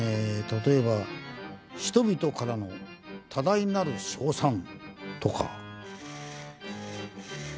例えば人々からの多大なる称賛とか。